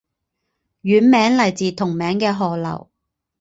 县名来自同名的河流。